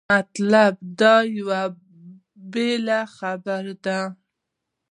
مطلب دا یوه بېله خبره ده.